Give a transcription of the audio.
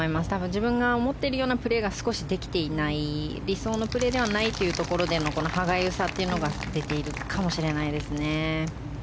自分が思っているようなプレーが少しできていない理想のプレーではない歯がゆさというのが出ているかもしれないですね。